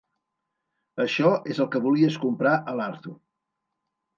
Això és el que volies comprar a l'Arthur.